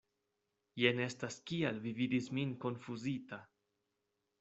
Jen estas kial vi vidis min konfuzita.